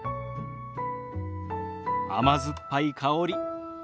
甘酸っぱい香り。